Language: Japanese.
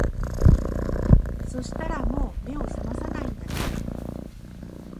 そしたらもう目を覚まさないんだね